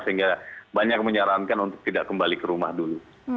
sehingga banyak menyarankan untuk tidak kembali ke rumah dulu